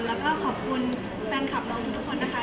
แล้วก็ขอบคุณแฟนคลับเราทุกคนนะคะ